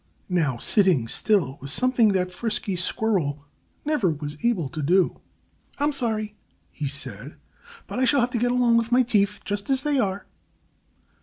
Now, sitting still was something that Frisky Squirrel never was able to do. "I'm sorry," he said, "but I shall have to get along with my teeth just as they are."